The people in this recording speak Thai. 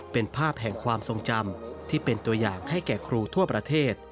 เป็นภาพแห่งความทรงจำที่เป็นตัวอย่างให้แก่ครูทั่วประเทศ